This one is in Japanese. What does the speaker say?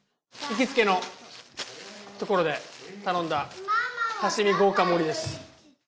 行きつけの所で頼んだ刺し身豪華盛りです。